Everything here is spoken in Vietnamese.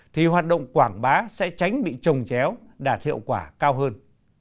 thì hoạt động quảng bá sẽ tránh bị trồng chéo đạt hiệu quả cao hơn